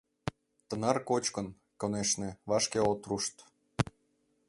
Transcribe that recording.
Тынар кочкын, конешне, вашке от рушт.